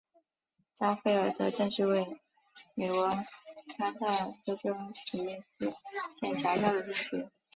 加菲尔德镇区为美国堪萨斯州史密斯县辖下的镇区。